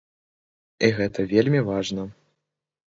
І гэта вельмі важна.